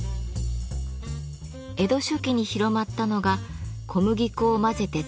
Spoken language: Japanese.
江戸初期に広まったのが小麦粉を混ぜてつなげる技術。